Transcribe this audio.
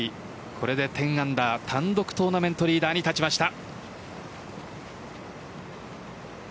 これで１０アンダー単独トーナメントリーダーに立ちました。